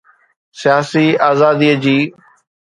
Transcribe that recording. سياسي ارادي جي.